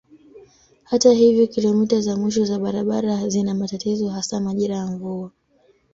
Hata hivyo kilomita za mwisho za barabara zina matatizo hasa majira ya mvua.